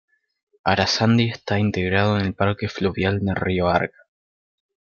Aranzadi está integrado en el Parque fluvial del río Arga.